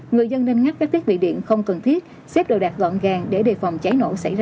người dân nên ngắt các thiết bị điện không cần thiết xếp đồ đạc gọn gàng để đề phòng cháy nổ xảy ra